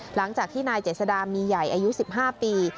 หลังจากที่นายเจษดามีใหญ่อายุ๑๕ปี